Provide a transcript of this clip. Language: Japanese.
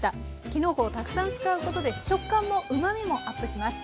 きのこをたくさん使うことで食感もうまみもアップします。